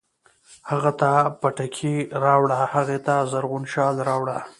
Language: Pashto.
هغه ته پټکی راوړه، هغې ته زرغون شال راوړه